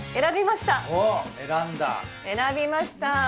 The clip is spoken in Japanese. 選びました。